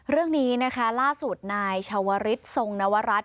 เรื่องนี้นะครับล่าเสนอชาวริทท์สงฆ์นะวรัฐ